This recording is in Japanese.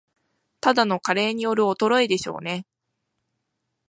ただの加齢による衰えでしょうね